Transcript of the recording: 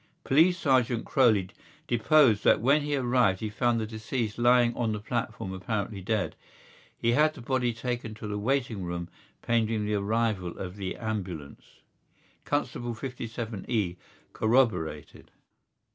Police Sergeant Croly deposed that when he arrived he found the deceased lying on the platform apparently dead. He had the body taken to the waiting room pending the arrival of the ambulance. Constable 57E corroborated.